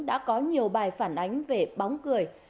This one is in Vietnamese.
đã có nhiều bài phản ánh về bóng cười